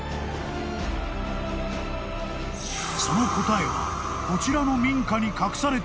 ［その答えはこちらの民家に隠されているという］